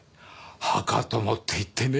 墓友っていってね。